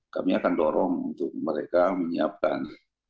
kami akan dorong untuk mereka menyiapkan